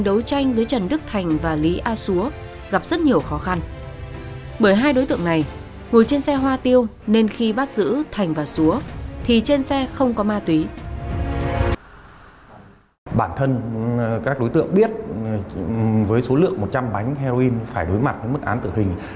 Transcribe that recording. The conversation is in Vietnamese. địa điểm chặn bắt đối với xe hoa tiêu được bố trí tại cao phong hòa bình